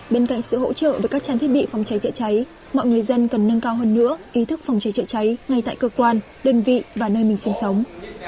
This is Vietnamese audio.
bên cạnh sự hỗ trợ về các trang thiết bị phòng cháy chữa cháy mọi người dân cần nâng cao hơn nữa ý thức phòng cháy chữa cháy ngay tại cơ quan đơn vị và nơi mình sinh sống